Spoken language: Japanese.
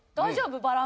バランス。